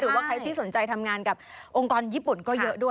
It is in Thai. หรือว่าใครที่สนใจทำงานกับองค์กรญี่ปุ่นก็เยอะด้วย